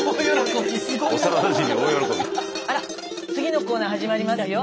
あら次のコーナー始まりますよ。